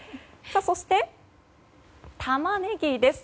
そしてタマネギです。